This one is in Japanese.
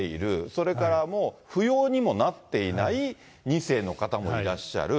それからもう扶養にもなっていない２世の方もいらっしゃる。